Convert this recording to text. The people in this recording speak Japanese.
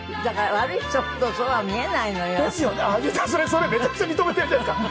それめちゃくちゃ認めているじゃないですか。